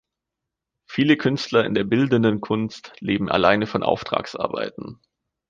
Viele Künstler in der Bildenden Kunst leben allein von Auftragsarbeiten.